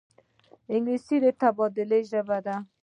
انګلیسي د تبادلې ژبه ده